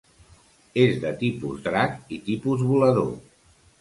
És de tipus drac i tipus volador.